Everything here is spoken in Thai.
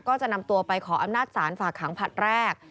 ก็จะนำตัวไปขออำนาจศาลฝากขังผลัดแรก